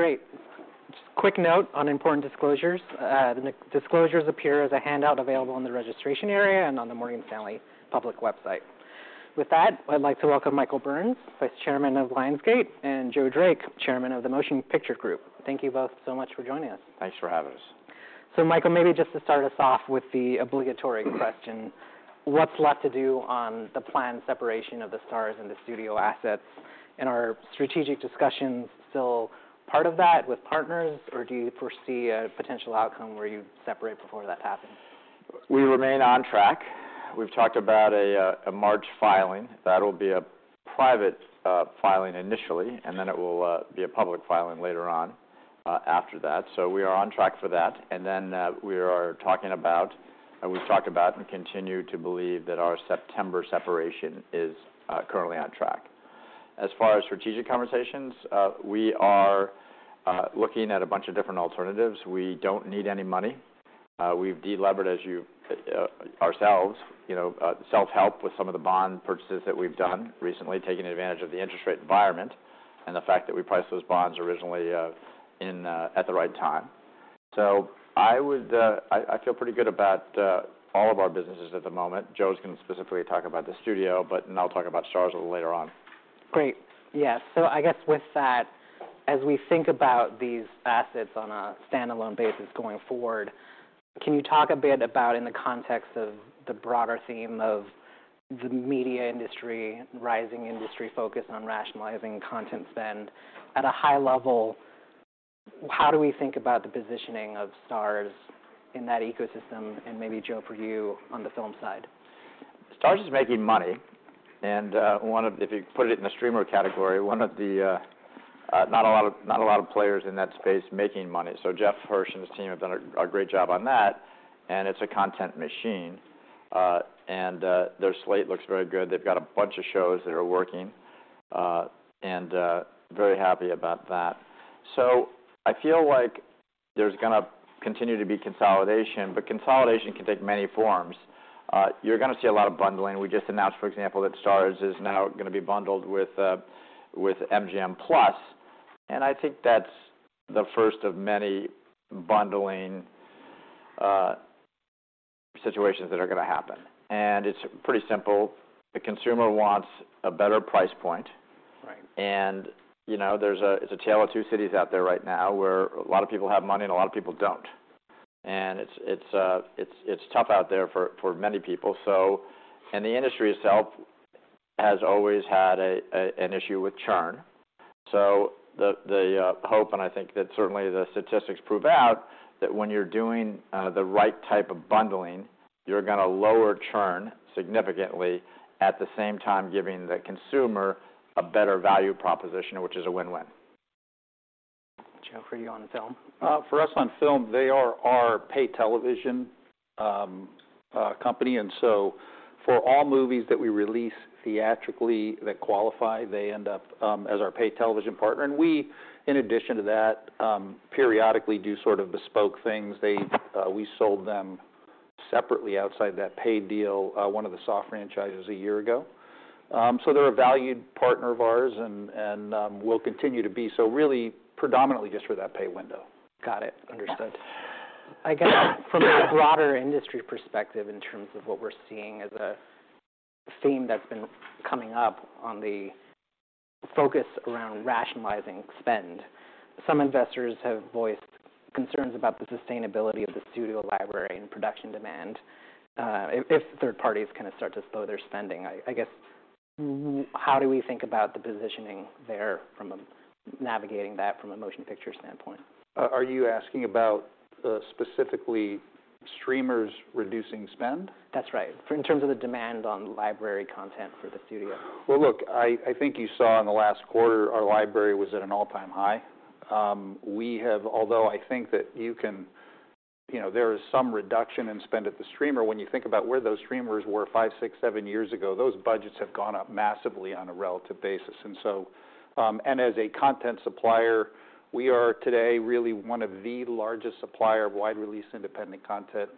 Great. Just a quick note on important disclosures. disclosures appear as a handout available in the registration area and on the Morgan Stanley public website. With that, I'd like to welcome Michael Burns, Vice Chairman of Lionsgate, and Joe Drake, Chairman of the Motion Picture Group. Thank you both so much for joining us. Thanks for having us. Michael, maybe just to start us off with the obligatory question, what's left to do on the planned separation of the Starz and the studio assets? Are strategic discussions still part of that with partners, or do you foresee a potential outcome where you separate before that happens? We remain on track. We've talked about a March filing. That'll be a private filing initially, and then it will be a public filing later on after that. We are on track for that. We've talked about and continue to believe that our September separation is currently on track. As far as strategic conversations, we are looking at a bunch of different alternatives. We don't need any money. We've de-leveraged ourselves, you know, self-help with some of the bond purchases that we've done recently, taking advantage of the interest rate environment and the fact that we priced those bonds originally in at the right time. I would, I feel pretty good about all of our businesses at the moment. Joe's gonna specifically talk about the studio, but then I'll talk about Starz a little later on. Great. Yeah. I guess with that, as we think about these assets on a standalone basis going forward, can you talk a bit about in the context of the broader theme of the media industry, rising industry focus on rationalizing content spend at a high level, how do we think about the positioning of Starz in that ecosystem? Maybe Joe, for you on the film side. Starz is making money. If you put it in the streamer category, not a lot of players in that space making money. Jeff Hirsch and his team have done a great job on that, and it's a content machine. Their slate looks very good. They've got a bunch of shows that are working, very happy about that. I feel like there's gonna continue to be consolidation, but consolidation can take many forms. You're gonna see a lot of bundling. We just announced, for example, that Starz is now gonna be bundled with MGM Plus, and I think that's the first of many bundling situations that are gonna happen. It's pretty simple. The consumer wants a better price point. Right. You know, there's a tale of two cities out there right now, where a lot of people have money and a lot of people don't. It's tough out there for many people. The industry itself has always had an issue with churn. The hope, and I think that certainly the statistics prove out, that when you're doing the right type of bundling, you're gonna lower churn significantly, at the same time giving the consumer a better value proposition, which is a win-win. Joe, for you on film. For us on film, they are our pay television company. For all movies that we release theatrically that qualify, they end up as our pay television partner. We, in addition to that, periodically do sort of bespoke things. We sold them separately outside that paid deal, one of the Saw franchises a year ago. They're a valued partner of ours and will continue to be. Really predominantly just for that pay window. Got it. Understood. I guess from a broader industry perspective in terms of what we're seeing as a theme that's been coming up on the focus around rationalizing spend. Some investors have voiced concerns about the sustainability of the studio library and production demand, if third parties kinda start to slow their spending. I guess how do we think about the positioning there from a navigating that from a motion picture standpoint? Are you asking about, specifically streamers reducing spend? That's right. For in terms of the demand on library content for the studio. Well, look, I think you saw in the last quarter our library was at an all-time high. Although I think that you know, there is some reduction in spend at the streamer. When you think about where those streamers were 5, 6, 7 years ago, those budgets have gone up massively on a relative basis. As a content supplier, we are today really one of the largest supplier of wide release independent content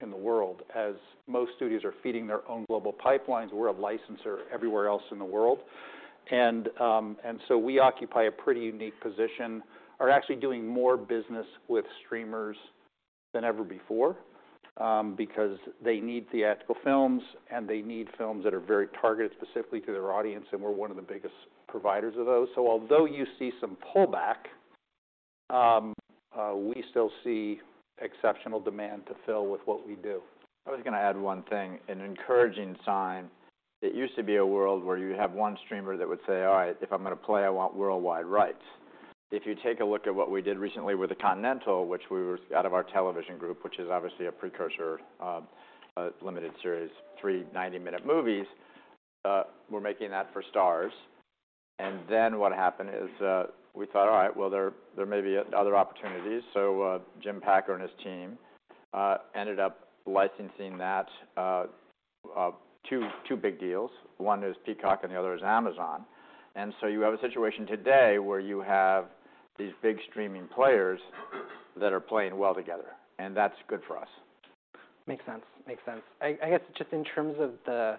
in the world. As most studios are feeding their own global pipelines, we're a licenser everywhere else in the world. We occupy a pretty unique position. Are actually doing more business with streamers than ever before, because they need theatrical films and they need films that are very targeted specifically to their audience, and we're one of the biggest providers of those. Although you see some pullback, we still see exceptional demand to fill with what we do. I was gonna add one thing, an encouraging sign. It used to be a world where you have one streamer that would say, "All right, if I'm gonna play, I want worldwide rights." If you take a look at what we did recently with The Continental, which we were out of our television group, which is obviously a precursor of a limited series, 3 90-minute movies, we're making that for Starz. What happened is, we thought, "All right, well, there may be other opportunities." Jim Packer and his team ended up licensing that, two big deals. One is Peacock and the other is Amazon. You have a situation today where you have these big streaming players that are playing well together, and that's good for us. Makes sense. I guess just in terms of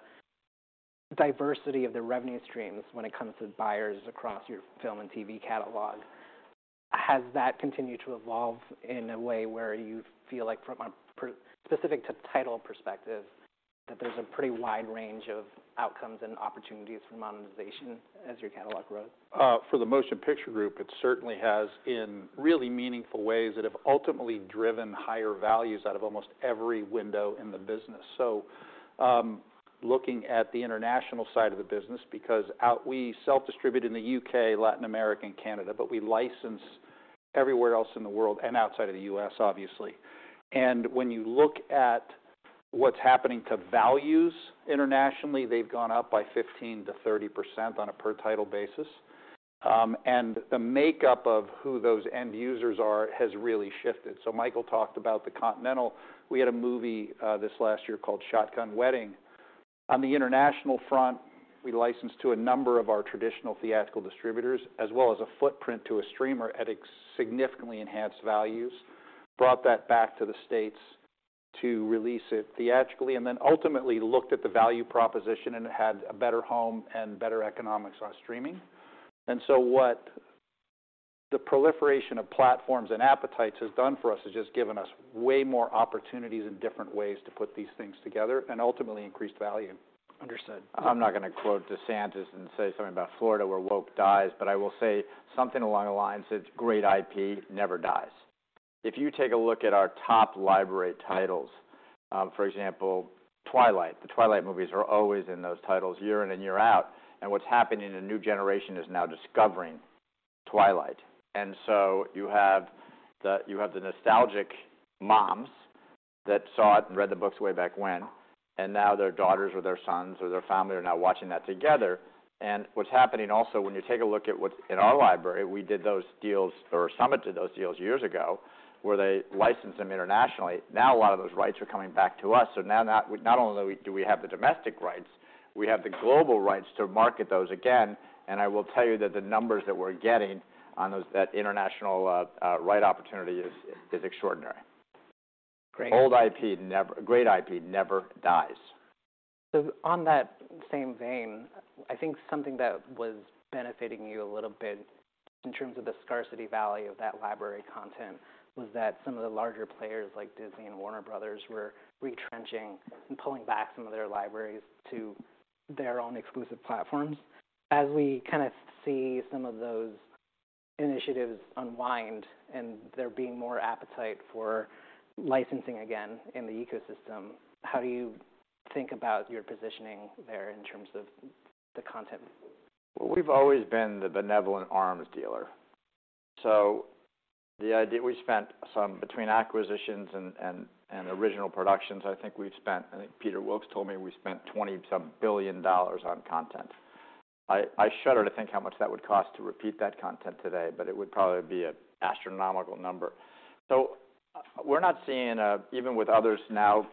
Diversity of the revenue streams when it comes to buyers across your film and TV catalog, has that continued to evolve in a way where you feel like from a specific to title perspective, that there's a pretty wide range of outcomes and opportunities for monetization as your catalog grows? For the Motion Picture Group, it certainly has in really meaningful ways that have ultimately driven higher values out of almost every window in the business. Looking at the international side of the business, because we self-distribute in the U.K., Latin America, and Canada, but we license everywhere else in the world and outside of the U.S. obviously. When you look at what's happening to values internationally, they've gone up by 15%-30% on a per-title basis. The makeup of who those end users are has really shifted. Michael talked about The Continental. We had a movie this last year called Shotgun Wedding. On the international front, we licensed to a number of our traditional theatrical distributors as well as a footprint to a streamer at significantly enhanced values. Brought that back to the States to release it theatrically, and then ultimately looked at the value proposition, and it had a better home and better economics on streaming. What the proliferation of platforms and appetites has done for us is just given us way more opportunities and different ways to put these things together and ultimately increased value. Understood. I'm not going to quote DeSantis and say something about Florida where woke dies, but I will say something along the lines that great IP never dies. If you take a look at our top library titles, for example, Twilight. The Twilight movies are always in those titles year in and year out. What's happening, a new generation is now discovering Twilight. So you have the nostalgic moms that saw it and read the books way back when, and now their daughters or their sons or their family are now watching that together. What's happening also, when you take a look at what's in our library, we did those deals or Summit did those deals years ago where they licensed them internationally. Now, a lot of those rights are coming back to us. Now not only do we have the domestic rights, we have the global rights to market those again, and I will tell you that the numbers that we're getting on those, that international right opportunity is extraordinary. Great. Old IP great IP never dies. On that same vein, I think something that was benefiting you a little bit in terms of the scarcity value of that library content was that some of the larger players like Disney and Warner Bros. were retrenching and pulling back some of their libraries to their own exclusive platforms. As we kinda see some of those initiatives unwind and there being more appetite for licensing again in the ecosystem, how do you think about your positioning there in terms of the content? We've always been the benevolent arms dealer. We spent some, between acquisitions and original productions, I think Peter Iacono told me we spent $20-some billion on content. I shudder to think how much that would cost to repeat that content today. It would probably be an astronomical number. We're not seeing, even with others now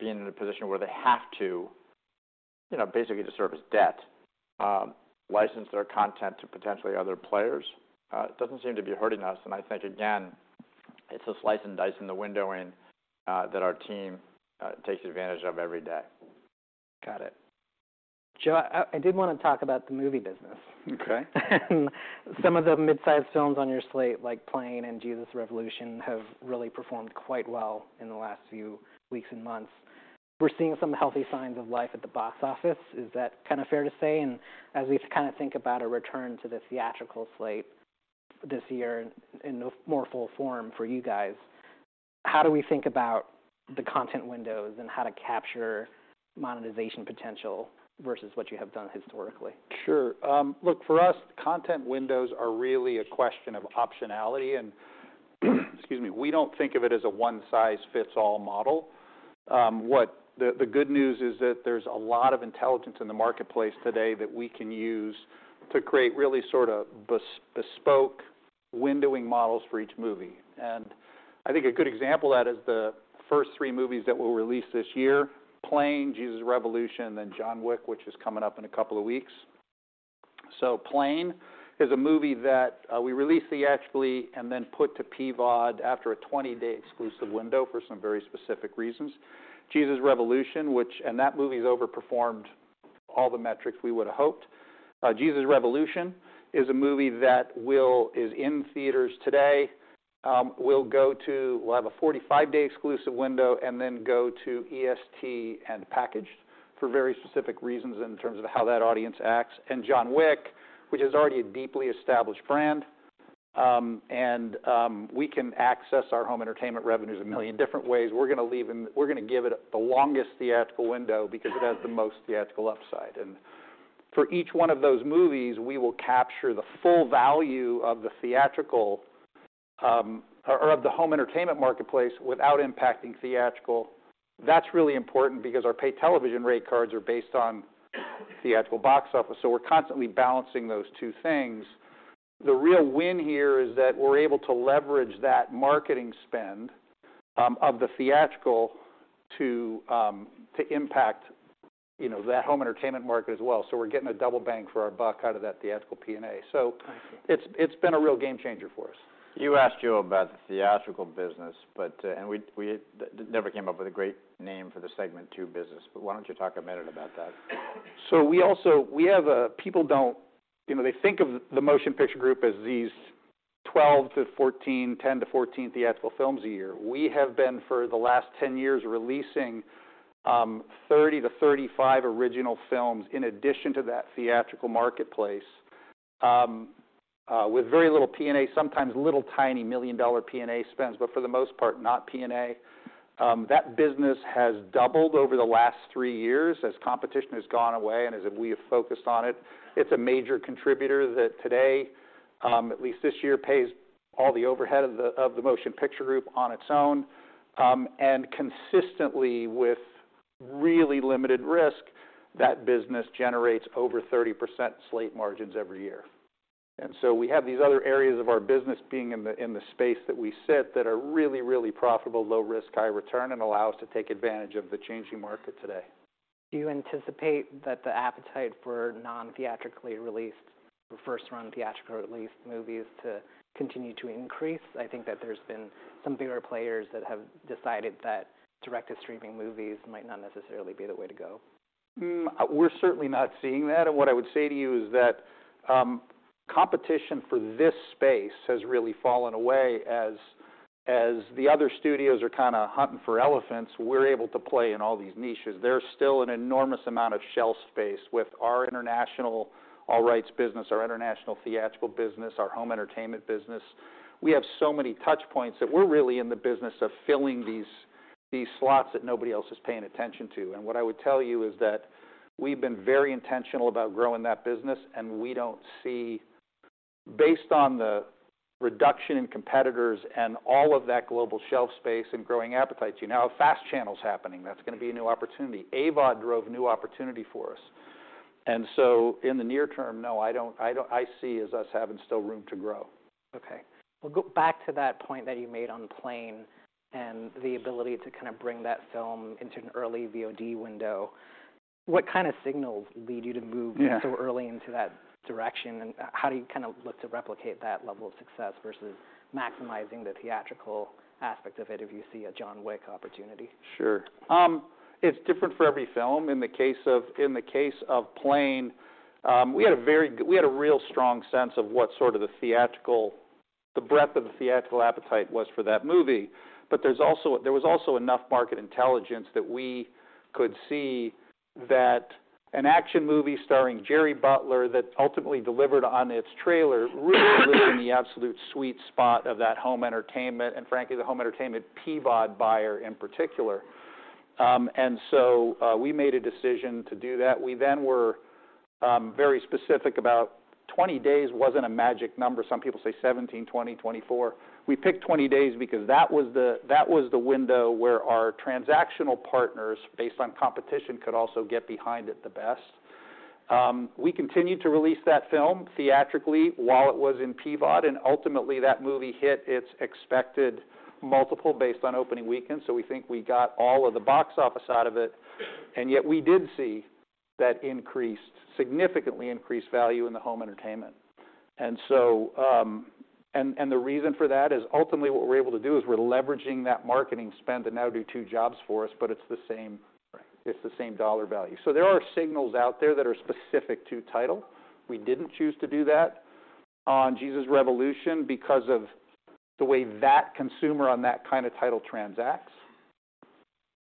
being in a position where they have to, you know, basically to service debt, license their content to potentially other players, it doesn't seem to be hurting us. I think again, it's a slice and dice in the windowing that our team takes advantage of every day. Got it. Joe, I did wanna talk about the movie business. Okay. Some of the mid-sized films on your slate, like Plane and Jesus Revolution, have really performed quite well in the last few weeks and months. We're seeing some healthy signs of life at the box office. Is that kinda fair to say? As we kind of think about a return to the theatrical slate this year in more full form for you guys, how do we think about the content windows and how to capture monetization potential versus what you have done historically? Sure. Look, for us, content windows are really a question of optionality and excuse me, we don't think of it as a one-size-fits-all model. What the good news is that there's a lot of intelligence in the marketplace today that we can use to create really sort of bespoke windowing models for each movie. I think a good example of that is the first three movies that we'll release this year, Plane, Jesus Revolution, and then John Wick, which is coming up in a couple of weeks. Plane is a movie that we released theatrically and then put to PVOD after a 20-day exclusive window for some very specific reasons. Jesus Revolution, and that movie's overperformed all the metrics we would've hoped. Jesus Revolution is a movie that is in theaters today, will have a 45-day exclusive window and then go to EST and package for very specific reasons in terms of how that audience acts. John Wick, which is already a deeply established brand, and we can access our home entertainment revenues 1 million different ways. We're gonna give it the longest theatrical window because it has the most theatrical upside. For each one of those movies, we will capture the full value of the theatrical, or of the home entertainment marketplace without impacting theatrical. That's really important because our pay television rate cards are based on theatrical box office. We're constantly balancing those two things. The real win here is that we're able to leverage that marketing spend, of the theatrical to impact, you know, that home entertainment market as well. We're getting a double bang for our buck out of that theatrical P&A. I see. It's been a real game changer for us. You asked Joe about the theatrical business, but we never came up with a great name for the segment 2 business, but why don't you talk a minute about that? We have People don't, you know, they think of the Motion Picture Group as these 12-14, 10-14 theatrical films a year. We have been, for the last 10 years, releasing 30-35 original films in addition to that theatrical marketplace, with very little P&A, sometimes little tiny million-dollar P&A spends, but for the most part, not P&A. That business has doubled over the last 3 years as competition has gone away and as we have focused on it. It's a major contributor that today, at least this year, pays all the overhead of the Motion Picture Group on its own. Consistently with really limited risk, that business generates over 30% slate margins every year. We have these other areas of our business being in the space that we sit that are really, really profitable, low risk, high return, and allow us to take advantage of the changing market today. Do you anticipate that the appetite for non-theatrically released or first-run theatrical released movies to continue to increase? I think that there's been some bigger players that have decided that direct-to-streaming movies might not necessarily be the way to go. We're certainly not seeing that. What I would say to you is that competition for this space has really fallen away. As the other studios are kind of hunting for elephants, we're able to play in all these niches. There's still an enormous amount of shelf space with our international all rights business, our international theatrical business, our home entertainment business. We have so many touch points that we're really in the business of filling these slots that nobody else is paying attention to. What I would tell you is that we've been very intentional about growing that business, and we don't see... Based on the reduction in competitors and all of that global shelf space and growing appetite, you now have FAST channels happening. That's gonna be a new opportunity. AVOD drove new opportunity for us. In the near term, no, I see is us having still room to grow. Okay. We'll go back to that point that you made on Plane and the ability to kind of bring that film into an early VOD window. What kind of signals lead you to move- Yeah... so early into that direction, and how do you kind of look to replicate that level of success versus maximizing the theatrical aspect of it if you see a John Wick opportunity? Sure. It's different for every film. In the case of Plane, we had a real strong sense of what sort of the theatrical, the breadth of the theatrical appetite was for that movie. There was also enough market intelligence that we could see that an action movie starring Gerard Butler that ultimately delivered on its trailer lived in the absolute sweet spot of that home entertainment, and frankly, the home entertainment PVOD buyer in particular. We made a decision to do that. We then were very specific about 20 days wasn't a magic number. Some people say 17, 20, 24. We picked 20 days because that was the window where our transactional partners, based on competition, could also get behind it the best. We continued to release that film theatrically while it was in PVOD, and ultimately that movie hit its expected multiple based on opening weekend, so we think we got all of the box office out of it. Yet we did see that increase, significantly increased value in the home entertainment. The reason for that is ultimately what we're able to do is we're leveraging that marketing spend to now do two jobs for us, but it's the same. Right it's the same dollar value. There are signals out there that are specific to title. We didn't choose to do that on Jesus Revolution because of the way that consumer on that kind of title transacts.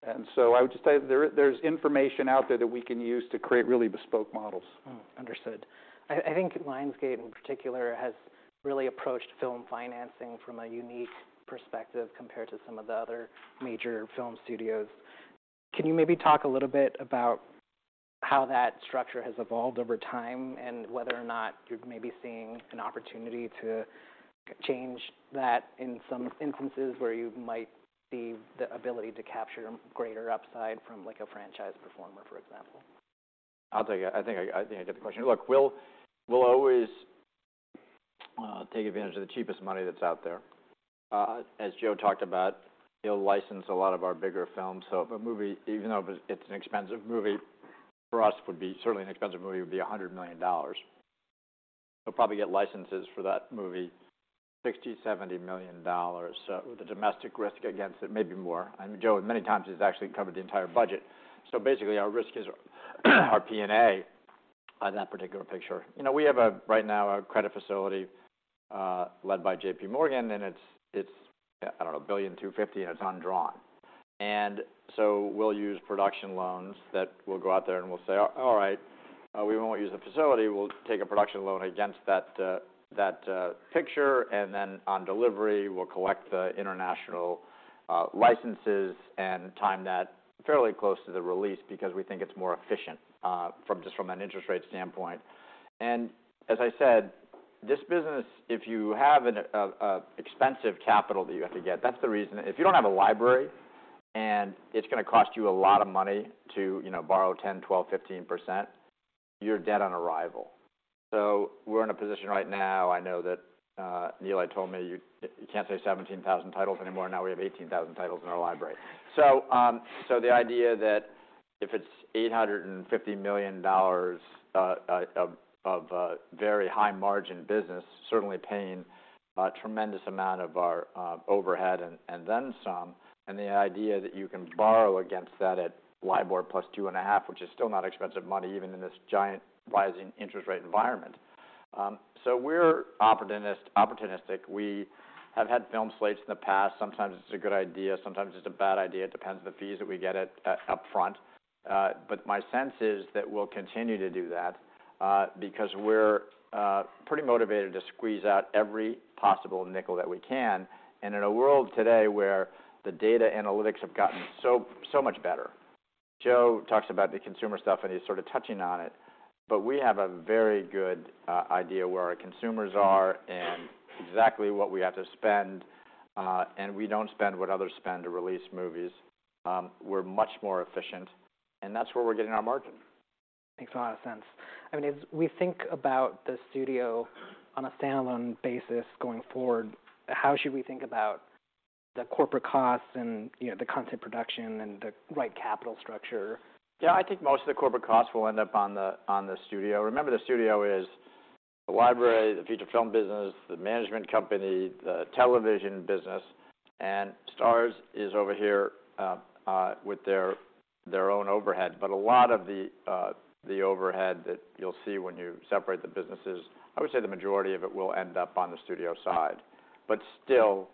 I would just say there's information out there that we can use to create really bespoke models. Understood. I think Lionsgate in particular has really approached film financing from a unique perspective compared to some of the other major film studios. Can you maybe talk a little bit about how that structure has evolved over time, and whether or not you're maybe seeing an opportunity to change that in some instances where you might see the ability to capture greater upside from like a franchise performer, for example? I'll take it. I think I think I get the question. Look, we'll always take advantage of the cheapest money that's out there. As Joe talked about, he'll license a lot of our bigger films. If a movie, even though if it's an expensive movie, certainly an expensive movie would be $100 million. He'll probably get licenses for that movie $60 million-$70 million. With the domestic risk against it, maybe more. I mean, Joe many times has actually covered the entire budget. Basically, our risk is our P&A on that particular picture. You know, we have a, right now, a credit facility, led by J.P. Morgan, and it's, I don't know, $1.25 billion and it's undrawn. We'll use production loans that we'll go out there and we'll say, "All right, we won't use the facility. We'll take a production loan against that picture, and then on delivery, we'll collect the international licenses and time that fairly close to the release because we think it's more efficient from just from an interest rate standpoint." As I said, this business, if you have an expensive capital that you have to get, that's the reason. If you don't have a library and it's gonna cost you a lot of money to, you know, borrow 10%, 12%, 15%, you're dead on arrival. We're in a position right now, I know that Neil told me you can't say 17,000 titles anymore. Now we have 18,000 titles in our library. The idea that if it's $850 million of very high margin business, certainly paying a tremendous amount of our overhead and then some. The idea that you can borrow against that at LIBOR + 2.5, which is still not expensive money, even in this giant rising interest rate environment. We're opportunistic. We have had film slates in the past. Sometimes it's a good idea, sometimes it's a bad idea. It depends on the fees that we get upfront. But my sense is that we'll continue to do that because we're pretty motivated to squeeze out every possible nickel that we can. In a world today where the data analytics have gotten so much better. Joe talks about the consumer stuff, and he's sort of touching on it. We have a very good idea where our consumers are and exactly what we have to spend, and we don't spend what others spend to release movies. We're much more efficient, and that's where we're getting our margin. Makes a lot of sense. I mean, as we think about the studio on a standalone basis going forward, how should we think about the corporate costs and, you know, the content production and the right capital structure? Yeah. I think most of the corporate costs will end up on the studio. Remember, the studio is the library, the feature film business, the management company, the television business, and Starz is over here, with their own overhead. A lot of the overhead that you'll see when you separate the businesses, I would say the majority of it will end up on the studio side, but still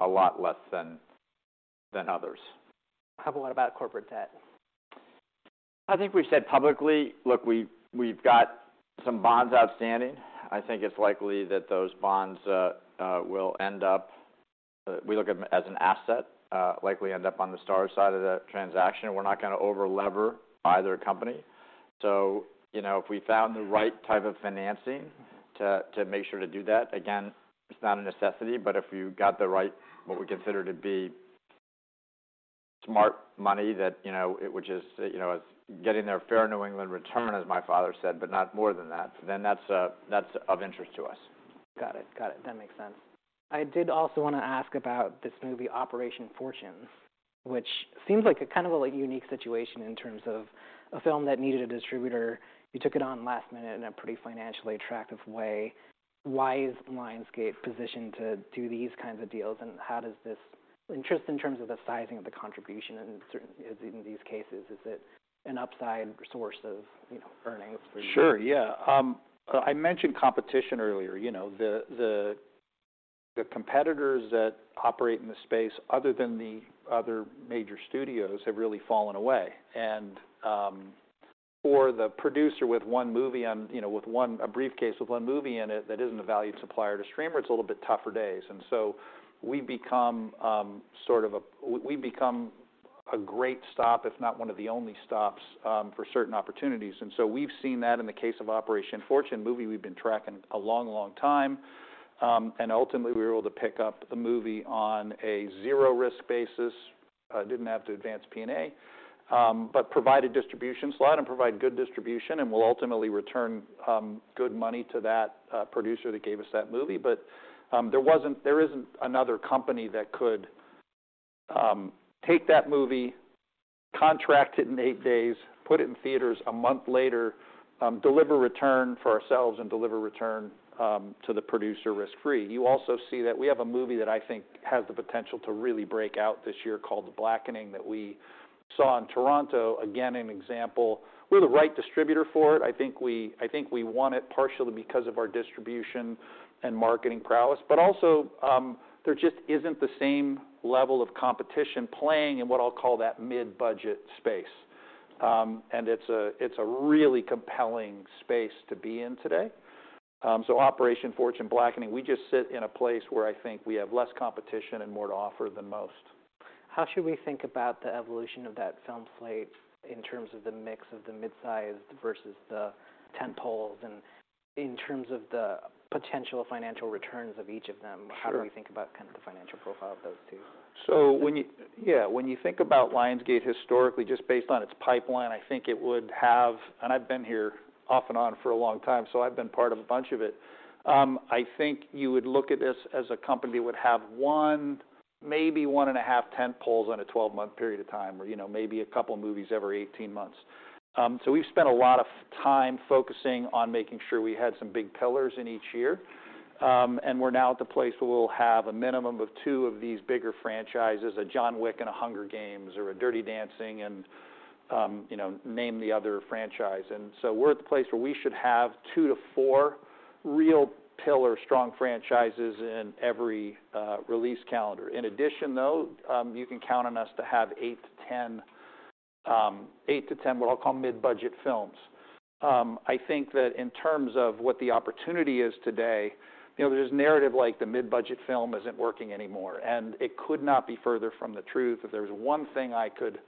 a lot less than others. How about corporate debt? I think we've said publicly, look, we've got some bonds outstanding. I think it's likely that those bonds, we look at them as an asset, likely end up on the Starz side of the transaction. We're not gonna over-lever either company. You know, if we found the right type of financing. Mm-hmm. To make sure to do that, again, it's not a necessity, but if you got the right, what we consider to be smart money that, you know, which is, you know, getting their fair New England return, as my father said, but not more than that, then that's of interest to us. Got it. Got it. That makes sense. I did also wanna ask about this movie, Operation Fortune, which seems like a kind of a, like, unique situation in terms of a film that needed a distributor. You took it on last minute in a pretty financially attractive way. Why is Lionsgate positioned to do these kinds of deals? Just in terms of the sizing of the contribution and in these cases, is it an upside source of, you know, earnings for you? Sure, yeah. I mentioned competition earlier. You know, the competitors that operate in the space other than the other major studios have really fallen away. For the producer with one movie on, you know, with a briefcase with one movie in it that isn't a valued supplier to streamer, it's a little bit tougher days. We've become a great stop, if not one of the only stops, for certain opportunities. We've seen that in the case of Operation Fortune, a movie we've been tracking a long, long time. Ultimately, we were able to pick up the movie on a zero-risk basis, didn't have to advance P&A, but provide a distribution slot and provide good distribution, and we'll ultimately return good money to that producer that gave us that movie. There isn't another company that could take that movie, contract it in eight days, put it in theaters one month later, deliver return for ourselves and deliver return to the producer risk-free. You also see that we have a movie that I think has the potential to really break out this year called The Blackening, that we saw in Toronto. Again, an example. We're the right distributor for it. I think we won it partially because of our distribution and marketing prowess. There just isn't the same level of competition playing in what I'll call that mid-budget space. It's a really compelling space to be in today. Operation Fortune, Blackening, we just sit in a place where I think we have less competition and more to offer than most. How should we think about the evolution of that film slate in terms of the mix of the mid-size versus the tentpoles? In terms of the potential financial returns of each of them? Sure. How do we think about kind of the financial profile of those two? When you think about Lionsgate historically, just based on its pipeline, I think it would have. I've been here off and on for a long time, so I've been part of a bunch of it. I think you would look at this as a company would have one, maybe one and a half tentpoles in a 12-month period of time, or, you know, maybe a couple movies every 18 months. We've spent a lot of time focusing on making sure we had some big pillars in each year. We're now at the place where we'll have a minimum of 2 of these bigger franchises, a John Wick and a The Hunger Games or a Dirty Dancing and, you know, name the other franchise. We're at the place where we should have 2 to 4 real pillar strong franchises in every release calendar. In addition, though, you can count on us to have 8 to 10, 8 to 10 what I'll call mid-budget films. I think that in terms of what the opportunity is today, you know, there's narrative like the mid-budget film isn't working anymore, and it could not be further from the truth. If there's one thing I could,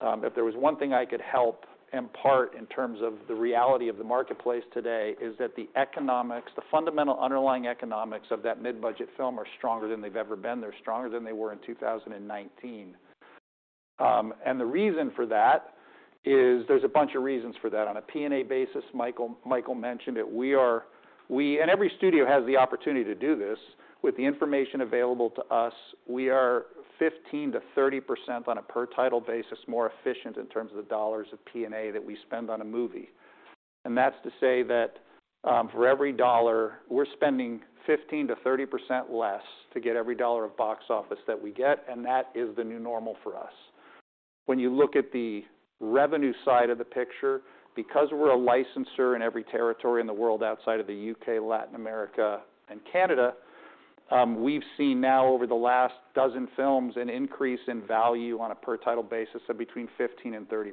if there was one thing I could help impart in terms of the reality of the marketplace today, is that the economics, the fundamental underlying economics of that mid-budget film are stronger than they've ever been. They're stronger than they were in 2019. And the reason for that is there's a bunch of reasons for that. On a P&A basis, Michael mentioned it. Every studio has the opportunity to do this. With the information available to us, we are 15%-30% on a per-title basis more efficient in terms of the $ of P&A that we spend on a movie. That's to say that, for every $, we're spending 15%-30% less to get every $ of box office that we get, and that is the new normal for us. When you look at the revenue side of the picture, because we're a licensor in every territory in the world outside of the U.K., Latin America, and Canada, we've seen now over the last 12 films an increase in value on a per-title basis of between 15% and 30%.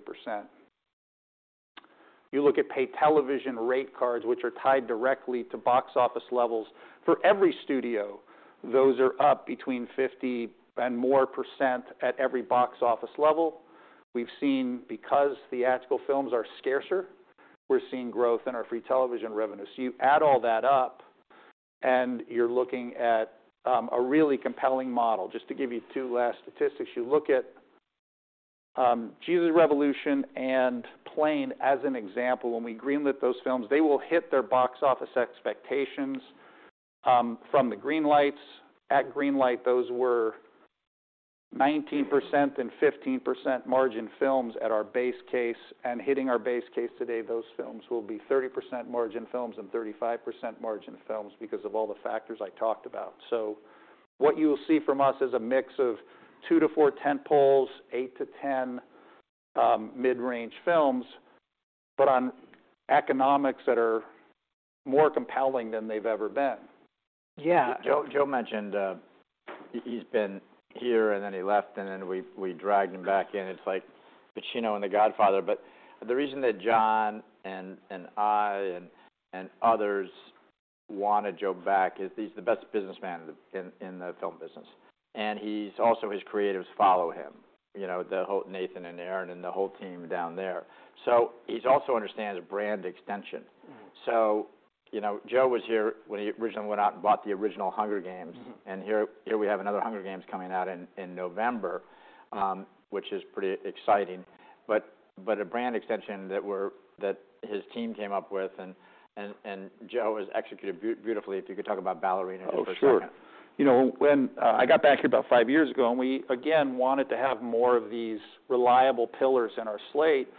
You look at pay television rate cards, which are tied directly to box office levels. For every studio, those are up between 50% and more at every box office level. We've seen, because theatrical films are scarcer, we're seeing growth in our free television revenue. You add all that up, and you're looking at a really compelling model. Just to give you 2 last statistics. You look at Jesus Revolution and Plane as an example. When we greenlit those films, they will hit their box office expectations from the greenlights. At greenlight, those were 19% and 15% margin films at our base case. Hitting our base case today, those films will be 30% margin films and 35% margin films because of all the factors I talked about. What you'll see from us is a mix of 2-4 tentpoles, 8-10 mid-range films, but on economics that are more compelling than they've ever been. Yeah. Joe mentioned he's been here and then he left, and then we dragged him back in. It's like Pacino in The Godfather. The reason that John and I and others wanted Joe back is he's the best businessman in the film business, and he's also, his creatives follow him. You know, Nathan Kahane and Aaron Janus and the whole team down there. He also understands brand extension. Mm-hmm. you know, Joe was here when he originally went out and bought the original Hunger Games. Mm-hmm. Here we have another Hunger Games coming out in November, which is pretty exciting. A brand extension that his team came up with, and Joe has executed beautifully, if you could talk about Ballerina just for a second. Oh, sure. You know, when I got back here about 5 years ago, we again wanted to have more of these reliable pillars in our slate,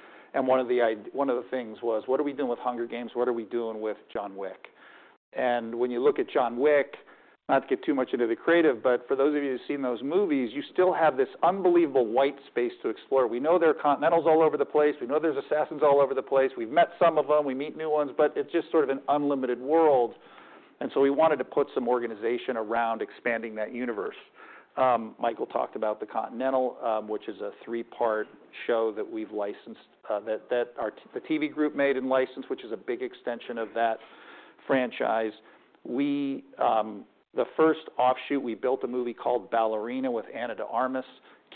one of the things was, what are we doing with The Hunger Games? What are we doing with John Wick? When you look at John Wick, not to get too much into the creative, but for those of you who've seen those movies, you still have this unbelievable white space to explore. We know there are Continentals all over the place. We know there's assassins all over the place. We've met some of them. We meet new ones. It's just sort of an unlimited world, we wanted to put some organization around expanding that universe. Michael talked about The Continental, which is a three-part show that we've licensed, that the TV group made and licensed, which is a big extension of that franchise. We, the first offshoot, we built a movie called Ballerina with Ana de Armas.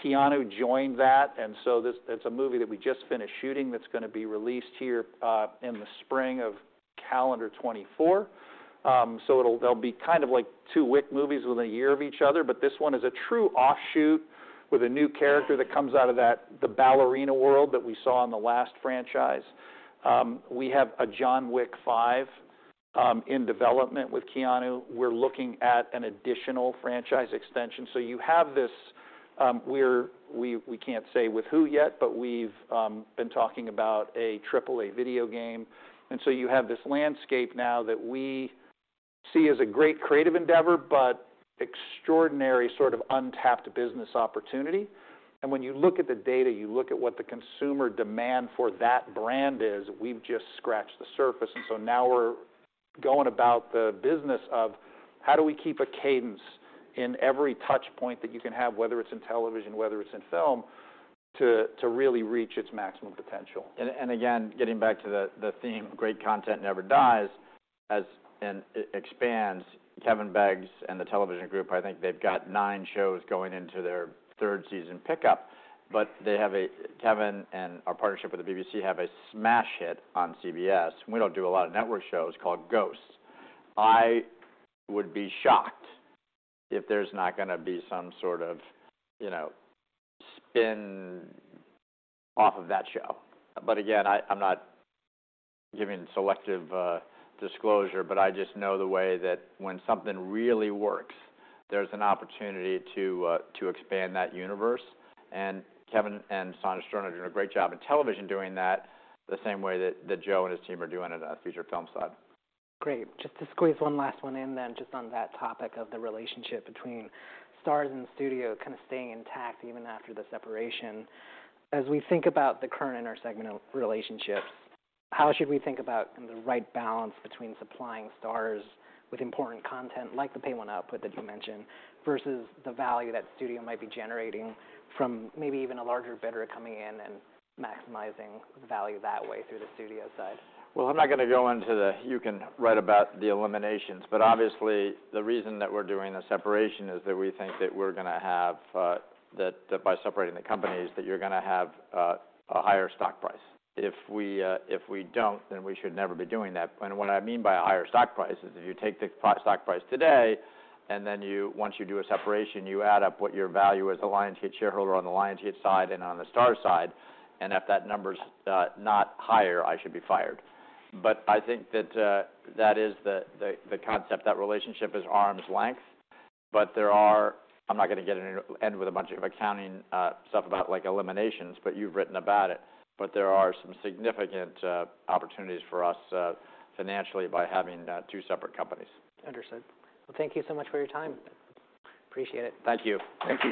Keanu joined that, it's a movie that we just finished shooting that's gonna be released here in the spring of calendar 2024. There'll be kind of like two Wick movies within a year of each other. This one is a true offshoot with a new character that comes out of that, the Ballerina world that we saw in the last franchise. We have a John Wick 5 in development with Keanu. We're looking at an additional franchise extension. You have this, we can't say with who yet, but we've been talking about a triple A video game. You have this landscape now that we see as a great creative endeavor, but extraordinary sort of untapped business opportunity. When you look at the data, you look at what the consumer demand for that brand is, we've just scratched the surface. Now we're going about the business of how do we keep a cadence in every touch point that you can have, whether it's in television, whether it's in film, to really reach its maximum potential. Again, getting back to the theme, great content never dies and it expands. Kevin Beggs and the television group, I think they've got 9 shows going into their 3rd season pickup. Kevin and our partnership with the BBC have a smash hit on CBS, we don't do a lot of network shows, called Ghosts. I would be shocked if there's not going to be some sort of, you know, spin-off of that show. Again, I'm not giving selective disclosure, but I just know the way that when something really works, there's an opportunity to expand that universe. Kevin and Sandra Stern are doing a great job in television doing that the same way that Joe and his team are doing it on the feature film side. Great. Just to squeeze one last one in then, just on that topic of the relationship between Starz and the studio kind of staying intact even after the separation. As we think about the current in our segment relationships, how should we think about the right balance between supplying Starz with important content like the pay one up that you mentioned, versus the value that studio might be generating from maybe even a larger bidder coming in and maximizing the value that way through the studio side? Well, I'm not gonna go into you can write about the eliminations, but obviously the reason that we're doing the separation is that we think that we're gonna have that by separating the companies, that you're gonna have a higher stock price. If we, if we don't, we should never be doing that. What I mean by a higher stock price is if you take the stock price today, once you do a separation, you add up what your value is, the Lionsgate shareholder on the Lionsgate side and on the Starz side, and if that number's not higher, I should be fired. I think that that is the concept. That relationship is arm's length, there are... I'm not gonna end with a bunch of accounting, stuff about like eliminations, but you've written about it. There are some significant opportunities for us, financially by having, two separate companies. Understood. Well, thank you so much for your time. Appreciate it. Thank you. Thank you.